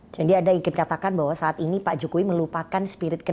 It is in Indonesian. jadi ada yang dikatakan bahwa saat ini pak jokowi melupakan spirit kenegaran